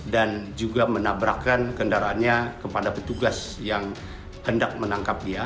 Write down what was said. dan juga menabrakkan kendaraannya kepada petugas yang hendak menangkap dia